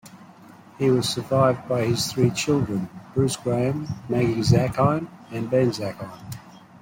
He was survived by his three children; Bruce Graham, Maggie Zackheim and Ben Zackheim.